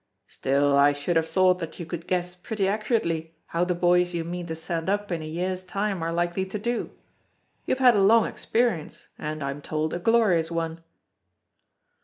"Still I should have thought that you could guess pretty accurately how the boys you mean to send up in a year's time are likely to do? You have had a long experience, and, I am told, a glorious one."